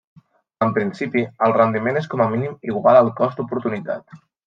En principi, el rendiment és com a mínim igual al cost d'oportunitat.